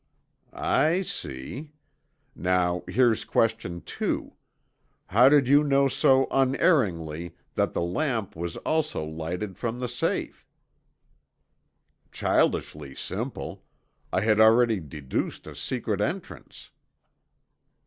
"I see. Now here's question two. How did you know so unerringly that the lamp was also lighted from the safe?" "Childishly simple. I had already deduced a secret entrance."